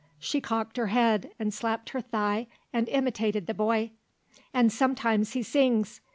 She cocked her head, and slapped her thigh, and imitated the boy. "And sometimes he sings!"